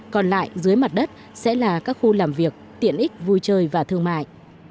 còn lại dưới mặt đất sẽ là các khu làm việc tiện ích vui chơi và thương mại